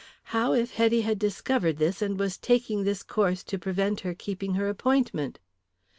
How if Hetty had discovered this and was taking this course to prevent her keeping her appointment?